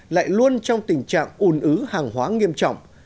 lại luôn trong tình trạng ủn ứ hàng hóa nghiêm trọng